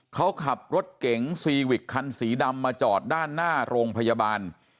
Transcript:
เขาขับรถเก๋งซีวิกคันสีดำมาจอดด้านหน้าโรงพยาบาล